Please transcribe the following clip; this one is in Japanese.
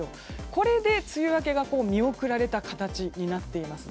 これで梅雨明けが見送られた形になっています。